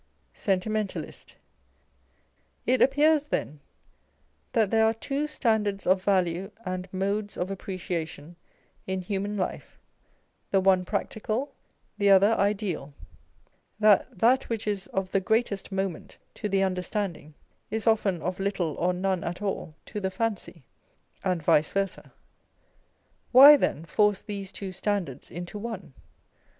Sentimentalist. It appears, then, that there arc two standards of value and modes of appreciation in human life, the one practical, the other ideal, â€" that that which is of tho greatest moment to the Understanding is often of little or none at all to the Fancy, and vice versa. Why, then, force these two standards into one